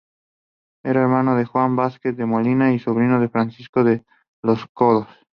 Era hermano de Juan Vázquez de Molina y sobrino de Francisco de los Cobos.